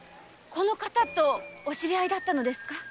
この方とお知り合いだったのですか？